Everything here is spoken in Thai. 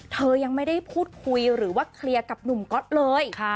เธอยังไม่ได้พูดคุยหรือว่าเคลียร์กับหนุ่มก๊อตเลย